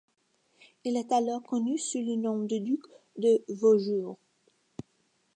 Il est alors connu sous le nom de duc de Vaujours.